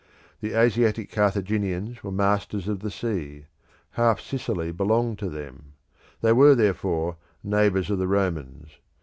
The Asiatic Carthaginians were masters of the sea; half Sicily belonged to them; they were, therefore, neighbours of the Romans.